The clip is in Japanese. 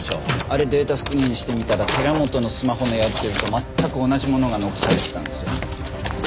あれデータ復元してみたら寺本のスマホのやり取りと全く同じものが残されていたんですよ。